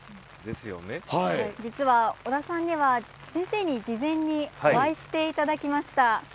実は織田さんには先生に事前にお会いしていただきました。